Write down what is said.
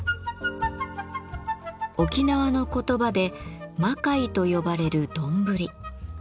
沖縄の言葉で「マカイ」と呼ばれるどんぶり。